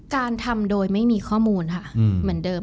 การทำโดยไม่มีข้อมูลค่ะเหมือนเดิม